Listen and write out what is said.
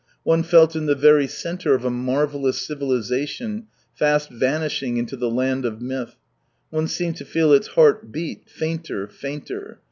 One felt in the very centre of a marvellous civilization, fast vanishing into the land of myth. One seemed to feel its heart beat,— fainter, fainter.